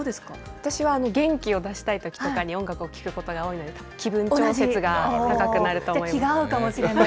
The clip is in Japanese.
私は元気を出したいときとかに音楽を聴くことが多いので、気気が合うかもしれない。